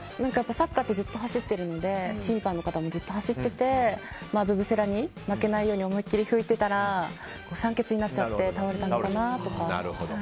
サッカーってずっと走っているので審判の方もずっと走っててブブゼラに負けないように思い切り吹いてたら酸欠になっちゃって倒れたのかなとか。